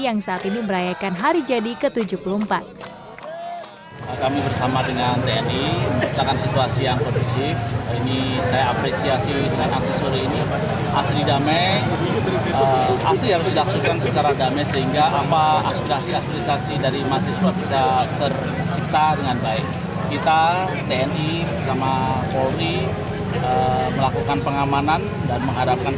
yang saat ini merayakan hari jadi ke tujuh puluh empat